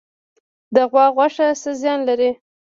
د غوا غوښه څه زیان لري؟